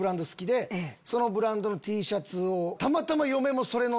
そのブランドのＴシャツを。